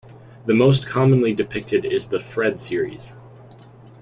The most commonly depicted is the "Fred" Series.